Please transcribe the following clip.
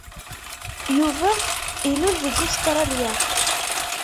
Yuba ilul deg Ustṛalya.